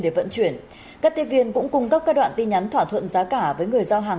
để vận chuyển các tiếp viên cũng cung cấp các đoạn tin nhắn thỏa thuận giá cả với người giao hàng